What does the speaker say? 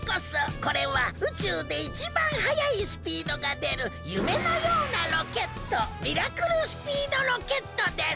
これは宇宙でいちばんはやいスピードがでるゆめのようなロケットミラクルスピードロケットです！